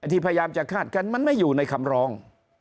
ที่พยายามจะคาดกันมันไม่อยู่ในคำร้อง